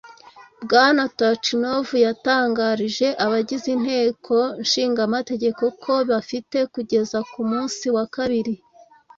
Bwana Turchynov yatangarije abagize intekonshingamategeko ko bafite kugeza ku munsi wa kabiri